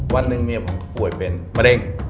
วันหนึ่งเมียผมป่วยเป็นมะเร็ง